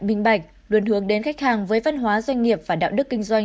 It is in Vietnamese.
minh bạch luôn hướng đến khách hàng với văn hóa doanh nghiệp và đạo đức kinh doanh